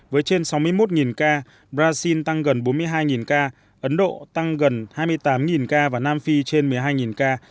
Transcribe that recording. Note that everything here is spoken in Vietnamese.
với trên sáu mươi một ca brazil tăng gần bốn mươi hai ca ấn độ tăng gần hai mươi tám ca và nam phi trên một mươi hai ca